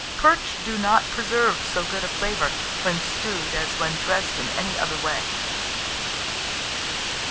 Perch do not preserve so good a flavour when stewed as when dressed in any other way.